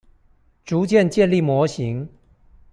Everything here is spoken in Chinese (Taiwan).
逐漸建立模型